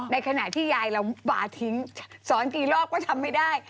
ในขณะที่ยายเราฝาทิ้งสอนกี่รอบก็ทำไม่ได้